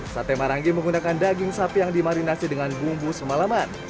sate marangi menggunakan daging sapi yang dimarinasi dengan bumbu semalaman